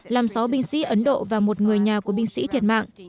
làm sáu binh sĩ ấn độ và một người nhà của binh sĩ thiệt mạng